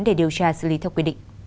để điều tra xử lý theo quy định